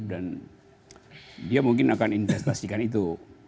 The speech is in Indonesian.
dan dia mungkin akan investasikan itu